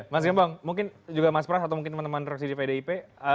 mas gembong mungkin juga mas pres atau mungkin teman teman presidi pdip